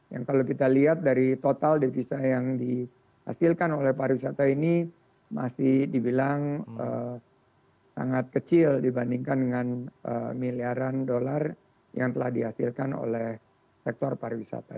yang kalau kita lihat dari total devisa yang dihasilkan oleh pariwisata ini masih dibilang sangat kecil dibandingkan dengan miliaran dolar yang telah dihasilkan oleh sektor pariwisata